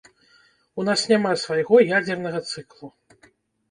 У нас няма свайго ядзернага цыклу.